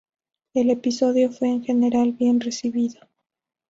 El episodio fue en general bien recibido.